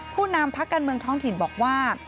ผู้นำพักการเมืองท้องถิ่นบอกว่า